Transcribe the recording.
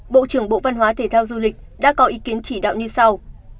bộ trưởng bộ văn hóa thể thao du lịch đã có ý kiến chỉ đạo như sau